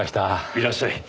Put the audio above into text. いらっしゃい。